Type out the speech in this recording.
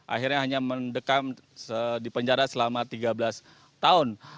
akhirnya hanya mendekam di penjara selama tiga belas tahun